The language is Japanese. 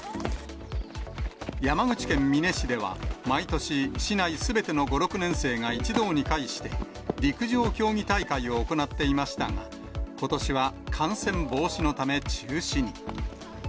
山口県美祢市では、毎年、市内すべての５、６年生が一堂に会して、陸上競技大会を行っていましたが、ことしは感染防止のため中止に。